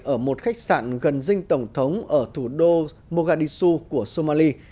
ở một khách sạn gần dinh tổng thống ở thủ đô mogadishu của somalia